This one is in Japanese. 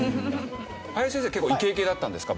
林先生結構イケイケだったんですか？